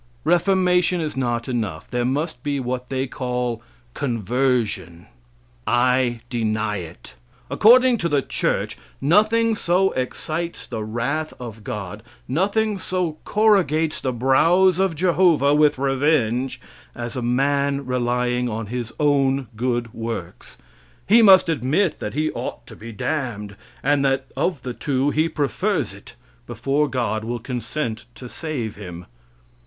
Reformation is not enough; there must be what they call conversion. I deny it. According to the church, nothing so excites the wrath of God nothing so corrugates the brows of Jehovah with revenge as a man relying on his own good works. He must admit that he ought to be damned, and that of the two he prefers it, before God will consent to save him.